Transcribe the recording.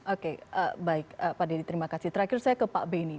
oke baik pak dedy terima kasih terakhir saya ke pak benny